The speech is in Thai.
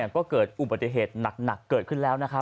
ก็เกิดอุบัติเหตุหนักเกิดขึ้นแล้วนะครับ